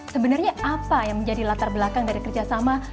sebenarnya apa yang menjadi latar belakang dari kerjasama